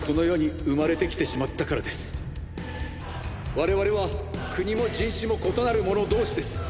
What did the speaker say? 我々は国も人種も異なる者同士です！！